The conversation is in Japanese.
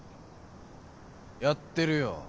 やってるよ